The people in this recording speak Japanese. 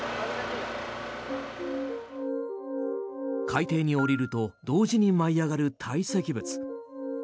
海底に降りると同時に舞い上がるたい積物。